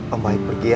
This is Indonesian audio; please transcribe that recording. om baik pergi ya